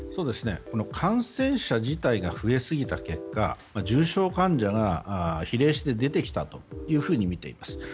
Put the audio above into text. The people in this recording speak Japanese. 感染者自体が増えすぎた結果重症患者が比例して出てきたと見ています。